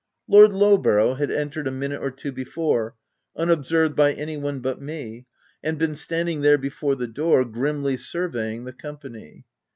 OF WILDFELL HALL. 233 Lord Lowborough had entered a minute or two before, unobserved by any one but me, and been standing before the door, grimly survey ing the company.